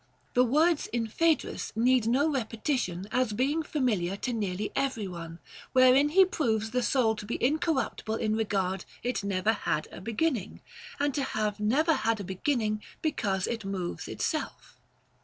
The words in Phae drus need no repetition, as being familiar to nearly every one, wherein he proves the soul to be incorruptible in re gard it never had a beginning, and to have never had a beginning because it moves itself.